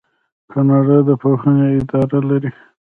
کاناډا د پوهنې اداره لري.